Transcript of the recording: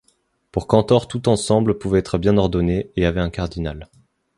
Pour Cantor tout ensemble pouvait être bien ordonné et avait un cardinal.